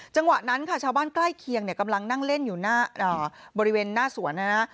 จังหวะนั้นค่ะชาวบ้านใกล้เคียงเนี่ยกำลังนั่งเล่นอยู่บริเวณหน้าสวนนะฮะ